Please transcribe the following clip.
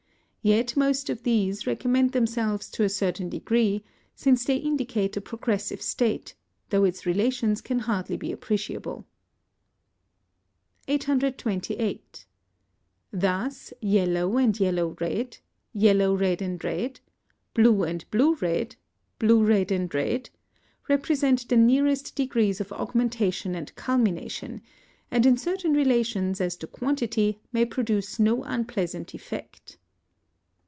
Yet most of these recommend themselves to a certain degree, since they indicate a progressive state, though its relations can hardly be appreciable. 828. Thus yellow and yellow red, yellow red and red, blue and blue red, blue red and red, represent the nearest degrees of augmentation and culmination, and in certain relations as to quantity may produce no unpleasant effect.